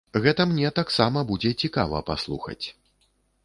Гэта мне таксама будзе цікава паслухаць.